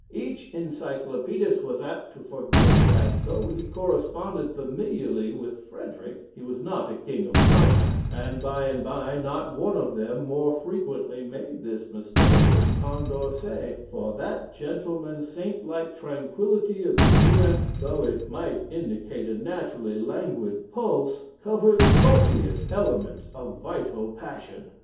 Each Encyclopædist was apt to forget that, though he corresponded familiarly with Frederick, he was not a King of Prussia; and, by and by, not one of them more frequently made this mistake than Condorcet for that gentleman's saintlike tranquillity of demeanor, though it might indicate a naturally languid pulse, covered copious elements of vital passion.